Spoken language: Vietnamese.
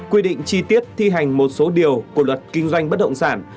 quy định chi tiết thi hành một số điều của luật kinh doanh bất động sản